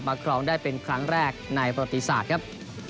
ครองได้เป็นครั้งแรกในประติศาสตร์ครับ